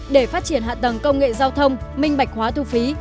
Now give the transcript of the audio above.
để phát triển hạ tầng công nghệ giao thông minh bạch hóa thu phí